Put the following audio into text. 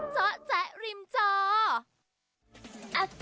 จ๊ะแจ๊ะริมจ๋อ